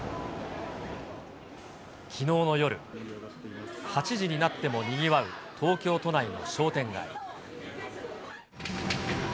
きのうの夜、８時になってもにぎわう東京都内の商店街。